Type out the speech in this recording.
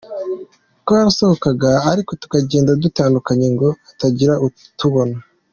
Twarasohokaga ariko tukagenda dutandukanye ngo hatagira utubona.